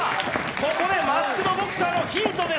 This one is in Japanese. ここでマスク・ド・ボクサーのヒントです。